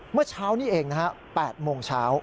เมื่อเช้านี้เองนะฮะ๘โมงเช้า